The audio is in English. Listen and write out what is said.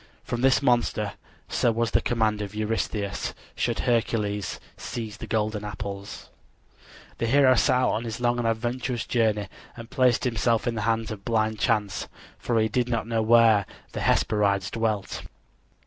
From this monster, so was the command of Eurystheus, should Hercules seize the golden apples. The hero set out on his long and adventurous journey and placed himself in the hands of blind chance, for he did not know where the Hesperides dwelt.